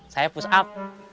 saya push up